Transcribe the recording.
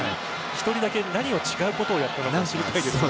１人だけ何か違うことをやったのか。